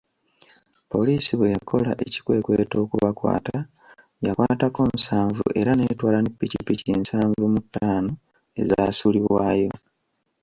Poliisi bwe yakola ekikwekweto okubakwata, yakwatako nsanvu era n'etwala ne Ppikipiki nsanvu mu taano ezaasuulibwawo